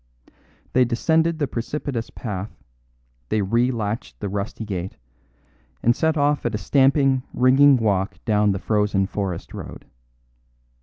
They descended the precipitous path, they relatched the rusty gate, and set off at a stamping, ringing walk down the frozen forest road.